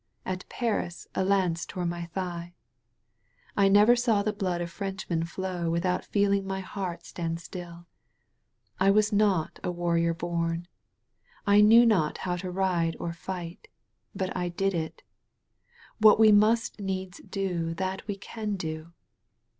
At Paris a lance tore my thigh. I never saw the blood of Frenchmen flow without feeling my heart stand still. I was not a warrior bom. I knew not how to ride or fight. But I did it. What we must needs do that we can do.